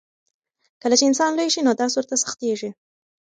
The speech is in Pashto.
کله چې انسان لوی شي نو درس ورته سختېږي.